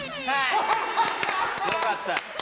よかった。